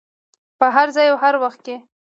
په هر ځای او هر وخت کې.